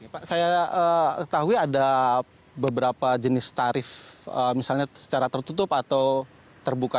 pak saya ketahui ada beberapa jenis tarif misalnya secara tertutup atau terbuka